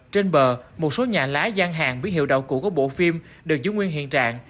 trên bờ một số nhà lá gian hàng với hiệu đạo cụ của bộ phim được giữ nguyên hiện trạng